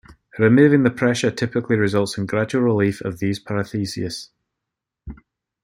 Removing the pressure typically results in gradual relief of these paresthesias.